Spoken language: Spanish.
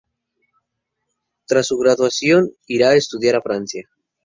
Tras su graduación, irá a estudiar a Francia.